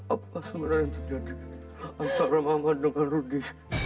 apa sebenarnya yang terjadi antara mama dengan rudi